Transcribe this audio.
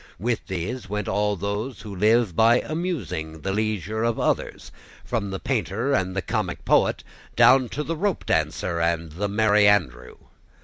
With these went all who live by amusing the leisure of others, from the painter and the comic poet, down to the ropedancer and the Merry Andrew.